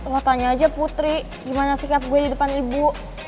mau tanya aja putri gimana sikap gue di depan ibu